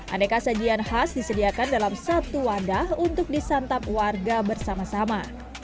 aneka sajian khas disediakan dalam satu wadah untuk disantap warga bersama sama